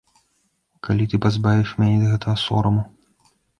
Калі ты пазбавіш мяне ад гэтага сораму?